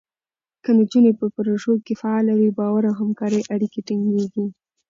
که نجونې په پروژو کې فعاله وي، باور او همکارۍ اړیکې ټینګېږي.